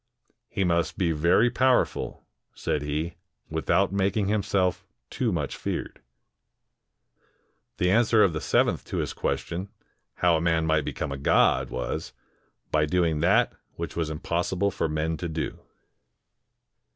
" He must be very powerful," said he, "without making himself too much feared." The answer of the seventh to his question, how a man might become a' god, was, "By doing that which was impossible for men to do."